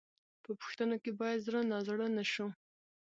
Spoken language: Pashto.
په پوښتنو کې باید زړه نازړه نه شو.